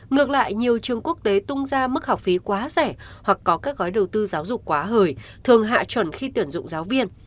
ngược lại nhiều trường quốc tế tung ra mức học phí quá rẻ hoặc có các gói đầu tư giáo dục quá hời thường hạ chuẩn khi tuyển dụng giáo viên